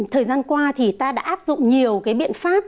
thời gian qua thì ta đã áp dụng nhiều cái biện pháp